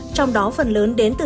trong đó phần lớn đến từ